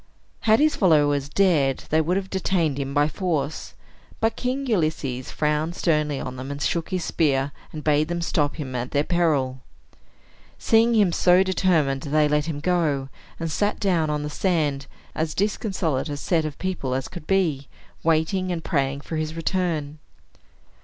Had his followers dared, they would have detained him by force. But King Ulysses frowned sternly on them, and shook his spear, and bade them stop him at their peril. Seeing him so determined, they let him go, and sat down on the sand, as disconsolate a set of people as could be, waiting and praying for his return.